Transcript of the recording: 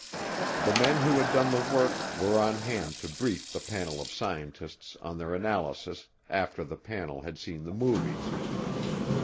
The men who had done the work were on hand to brief the panel of scientists on their analysis after the panel had seen the movies.